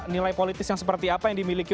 nilai politis yang seperti apa yang dimiliki